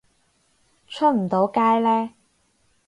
出唔到街呢